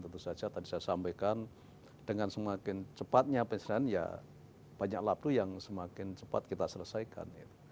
tentu saja tadi saya sampaikan dengan semakin cepatnya penyelesaian ya banyak laplu yang semakin cepat kita selesaikan